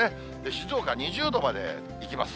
静岡２０度までいきます。